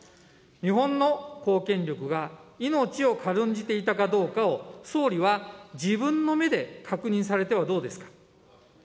日本の公権力が命を軽んじていたかどうかを、総理は自分の目で確認されてはどうですか。